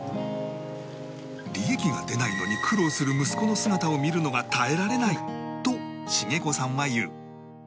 利益が出ないのに苦労する息子の姿を見るのが耐えられないとシゲ子さんは言う